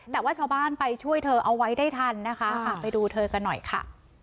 แต่ว่าชาวบ้านไปช่วยเธอเอาไว้ได้ทันนะคะไปดูเธอกันหน่อยค่ะ